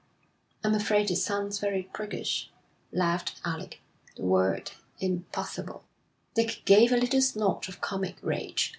'I'm afraid it sounds very priggish,' laughed Alec. 'The word impossible.' Dick gave a little snort of comic rage.